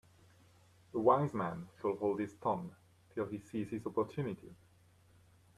A wise man shall hold his tongue till he sees his opportunity.